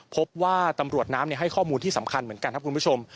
พบว่าตำรวจน้ำให้ข้อมูลที่สำคัญเหมือนกันครับคุณผู้ชม